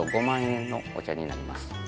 ５万円のお茶になります